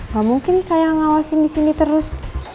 gak mungkin saya ngawasin di sini terus